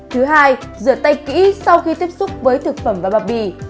thứ hai rửa tay kỹ sau khi tiếp xúc với thực phẩm và bao bì